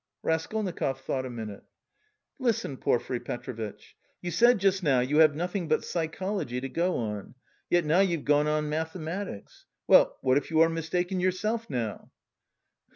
Raskolnikov thought a minute. "Listen, Porfiry Petrovitch. You said just now you have nothing but psychology to go on, yet now you've gone on mathematics. Well, what if you are mistaken yourself, now?"